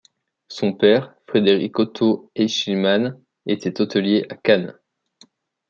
Son père, Frédéric Otto Aeschlimann, était hôtelier à Cannes.